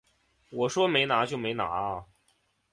我说没拿就没拿啊